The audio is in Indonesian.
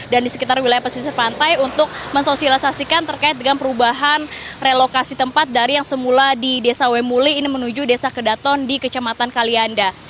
dan di sekitar wilayah pesisir pantai untuk mensosialisasikan terkait dengan perubahan relokasi tempat dari yang semula di desa wemuli ini menuju desa kedaton di kecamatan kalianda